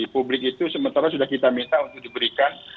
publik itu sementara sudah kita minta untuk diberikan